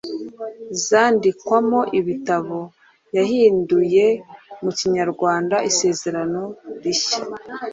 zandikwamo ibitabo. Yahinduye mu Kinyarwanda Isezerano rishya